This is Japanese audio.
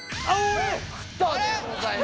北斗でございます。